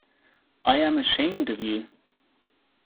I am ashamed of you!